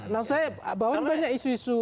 nah saya bawa banyak isu isu